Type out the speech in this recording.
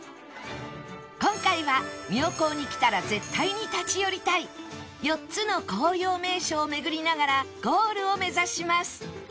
今回は妙高に来たら絶対に立ち寄りたい４つの紅葉名所を巡りながらゴールを目指します